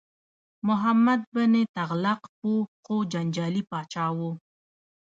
محمد بن تغلق پوه خو جنجالي پاچا و.